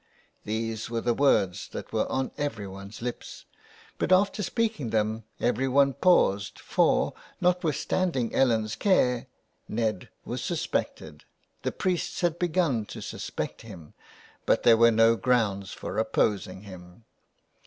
These were the words that were on everyone's lips, but after speaking them everyone paused, for, notwithstanding Ellen's care, Ned was suspected ; the priests had begun to suspect him, but there were no grounds for opposing him.